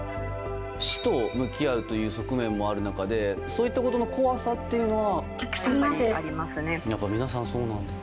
死と向き合うという側面もある中でそういったことの怖さというのは？